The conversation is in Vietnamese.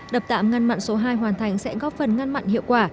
đập tạm ngăn mặn số hai hoàn thành sẽ góp phần ngăn mặn hiệu quả